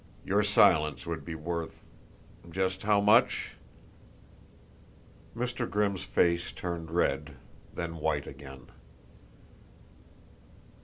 Your silence would be worth just how much?" Mr. Grimm's face turned red, then white again.